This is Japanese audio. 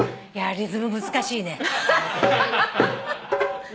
リズム難しいね。